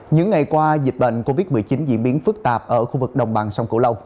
những ngày qua dịch bệnh covid một mươi chín diễn biến phức tạp ở khu vực đồng bằng sông cửu long